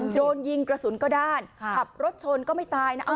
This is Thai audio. โดนยิงกระสุนก็ด้านขับรถชนก็ไม่ตายนะ